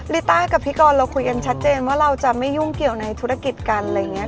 ิต้ากับพี่กรเราคุยกันชัดเจนว่าเราจะไม่ยุ่งเกี่ยวในธุรกิจกันอะไรอย่างนี้